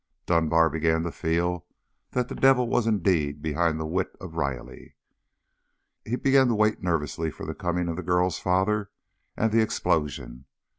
Dunbar began to feel that the devil was indeed behind the wit of Riley. He began to wait nervously for the coming of the girl's father and the explosion.